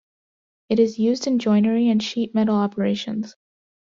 It is used in joinery and sheetmetal operations.